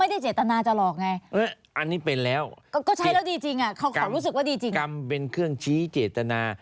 ไม่ได้เจตนาถ้าสมมุติมี